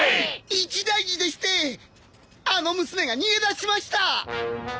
一大事でしてあの娘が逃げ出しました！